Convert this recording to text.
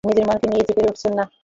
নিজের মনকে নিয়ে যে পেরে উঠছি নে।